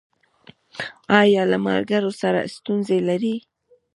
ایا له ملګرو سره ستونزې لرئ؟